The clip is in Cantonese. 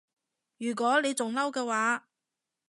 如果你仲嬲嘅話